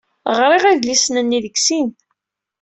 Ɣriɣ idlisen-nni deg sin.